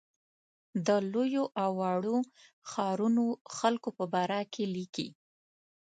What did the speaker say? د لویو او وړو ښارونو خلکو په باره کې لیکي.